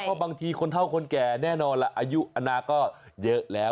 เพราะบางทีคนเท่าคนแก่แน่นอนล่ะอายุอนาคก็เยอะแล้ว